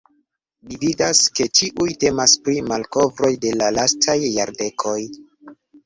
Ni vidas ke ĉiuj temas pri malkovroj de la lastaj jardekoj.